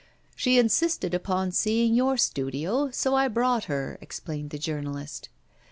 'She insisted upon seeing your studio, so I brought her,' explained the journalist.